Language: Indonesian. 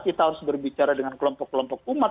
kita harus berbicara dengan kelompok kelompok umat